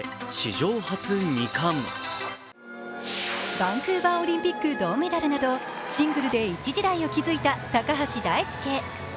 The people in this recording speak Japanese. バンクーバーオリンピック銅メダルなどシングルで一時代を築いた高橋大輔。